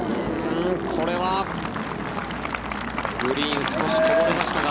これはグリーン少しこぼれましたが。